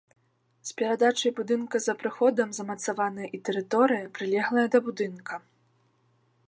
З перадачай будынка за прыходам замацаваная і тэрыторыя, прылеглая да будынка.